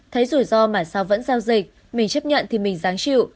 thấy rủi ro mà sao vẫn giao dịch mình chấp nhận thì mình dám chịu